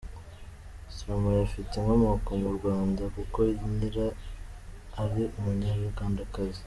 Stromae afite inkomoko mu Rwanda kuko nyira ari Umunyarwandakazi.